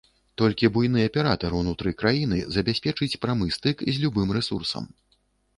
Толькі буйны аператар ўнутры краіны забяспечыць прамы стык з любым рэсурсам.